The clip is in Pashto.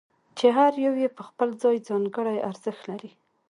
چې هر یو یې په خپل ځای ځانګړی ارزښت لري.